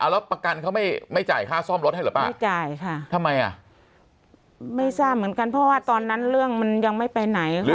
ข้ายเอาฝากกันเขาไม่มีไม่จ่ายค่ะซ้อมรถเกี่ยวป่ะใจค่ะทำไมอะไม่ทราบเหมือนกันพ่อตอนนั้นเรื่องมันยังไม่ไปไหน